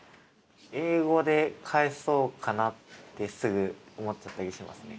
英語で返そうかなってすぐ思っちゃったりしますね。